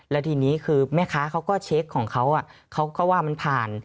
แล้วทีนี้คือแม่ค้าเขาก็เช็คของเขาเขาก็ว่ามันผ่าน